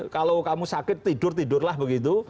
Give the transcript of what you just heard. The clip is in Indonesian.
kalau kamu sakit tidur tidur lah begitu